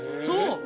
そう。